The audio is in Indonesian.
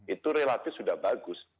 itu relatif sudah bagus